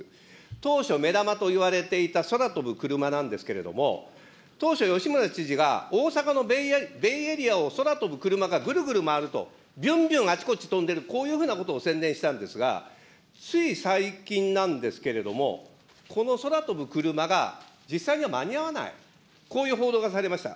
当初、目玉といわれていた空飛ぶクルマなんですけれども、当初、吉村知事が大阪のベイエリアを、空飛ぶクルマがぐるぐる回ると、びゅんびゅんあちこち飛んでる、こういうふうなことを宣伝したんですが、つい最近なんですけれども、この空飛ぶクルマが実際には間に合わない、こういう報道がされました。